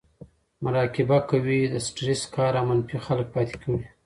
مراقبه کوي , د سټرېس کار او منفي خلک پاتې کړي